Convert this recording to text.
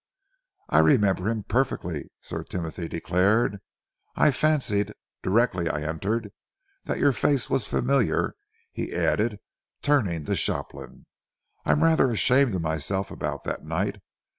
"I remember him perfectly," Sir Timothy declared. "I fancied, directly I entered, that your face was familiar," he added, turning to Shopland. "I am rather ashamed of myself about that night.